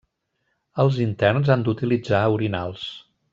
Els interns han d'utilitzar orinals.